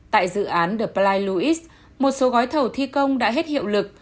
tại dự án the palais louis một số gói thầu thi công đã hết hiệu lực